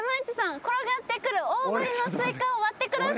転がってくる大ぶりのスイカを割ってください。